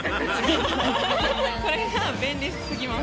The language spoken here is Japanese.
これが便利すぎます。